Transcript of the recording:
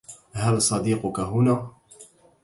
هل صديقكِ هنا؟